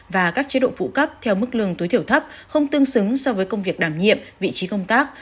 và các chế độ phụ cấp theo mức lương tối thiểu thấp không tương xứng so với công việc đảm nhiệm vị trí công tác